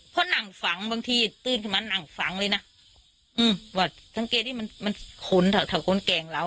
เพราะหนังฝังบางทีตื่นขึ้นมาหนังฝังเลยน่ะอืมว่าสังเกตี้มันมันขุนถ้าถ้าคนแกร่งเรา